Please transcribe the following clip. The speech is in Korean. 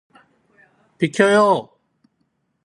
비켜요!